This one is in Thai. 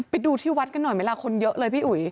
ไปดูที่วัดกันหน่อยไหมล่ะคนเยอะเลยพี่อุ๋ย